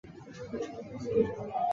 明朝设置的卫所。